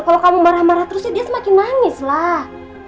kalau kamu marah marah terus ya dia semakin nangis lah